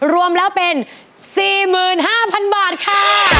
รวมแล้วเป็นสี่หมื่นห้าพันบาทค่ะ